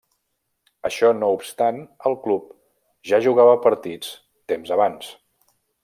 Això no obstant, el club ja jugava partits temps abans.